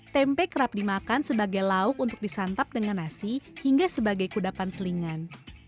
tempe kerap dimakan sebagai lauk untuk disantap dengan nasi hingga sebagai kudapan selingan